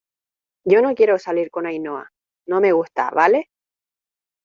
yo no quiero salir con Ainhoa, no me gusta ,¿ vale?